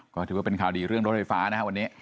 ก็ถือว่าเป็นข่าวดีเรื่องรถไฟฟ้านะครับวันนี้